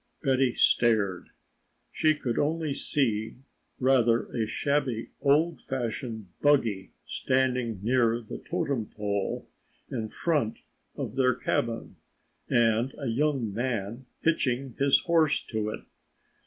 Betty stared. She could only see rather a shabby, old fashioned buggy standing near the Totem pole in front of their cabin, and a young man hitching his horse to it.